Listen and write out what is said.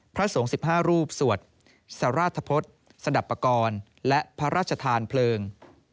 พระสงฆ์๑๕รูปสวรรค์สาราธพฤติสดับประกอลและพระราชทานเพลิง